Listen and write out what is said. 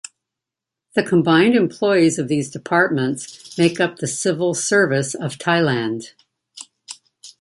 The combined employees of these departments make up the Civil Service of Thailand.